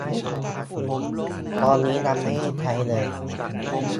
ตอนนี้ยังไม่ได้ใช้เลย !